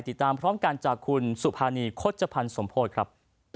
ติดตามพร้อมกันจากคุณสุภานีโฆษภัณฑ์สมโพธิครับ